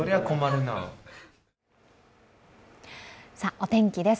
お天気です